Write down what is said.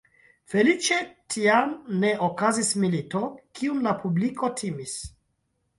Feliĉe tiam ne okazis milito, kiun la publiko timis.